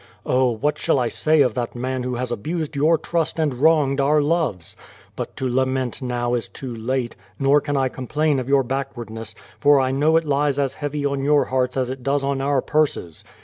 Oh, what shall I say of that man who has abused your trust and wronged our loves ! But to lament now is too late, nor can I complain of your backward ness, for I know it lies as heavy on your hearts as it does on our purses.